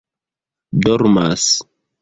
dormas